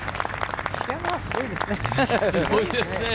すごいですね。